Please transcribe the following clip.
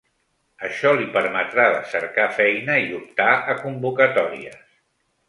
Això li permetrà de cercar feina i optar a convocatòries.